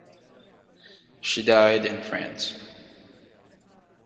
She died in France.